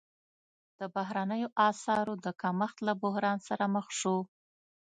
د بهرنیو اسعارو د کمښت له بحران سره مخ شو.